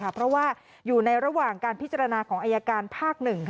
เพราะว่าอยู่ในระหว่างการพิจารณาของอายการภาค๑